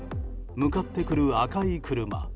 向かってくる赤い車。